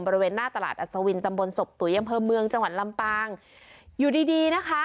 บริเวณหน้าตลาดอัศวินตำบลศพตุ๋ยอำเภอเมืองจังหวัดลำปางอยู่ดีดีนะคะ